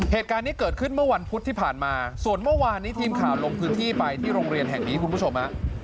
เหตุการณ์นี้เกิดขึ้นเมื่อวันพุธที่ผ่านมาส่วนเมื่อวานนี้ทีมข่าวลงพื้นที่ไปที่โรงเรียนแห่งนี้คุณผู้ชมฮะ